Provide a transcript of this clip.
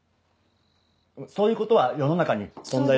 そういうことは世の中に存在。